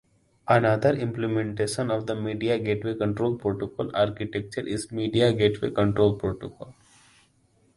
Another implementation of the Media Gateway Control Protocol architecture is Media Gateway Control Protocol.